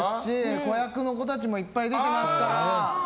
子役の子たちもいっぱい出てますから。